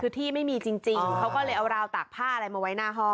คือที่ไม่มีจริงเขาก็เลยเอาราวตากผ้าอะไรมาไว้หน้าห้อง